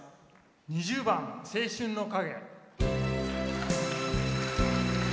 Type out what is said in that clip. ２０番「青春の影」。